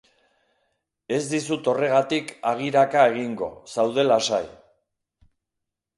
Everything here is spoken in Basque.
Ez dizut horregatik agiraka egingo, zaude lasai.